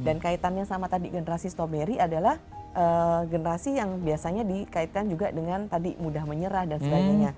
dan kaitannya sama tadi generasi strawberry adalah generasi yang biasanya dikaitkan juga dengan tadi mudah menyerah dan sebagainya